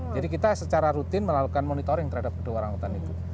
jadi kita secara rutin melakukan monitoring terhadap dua orang hutan itu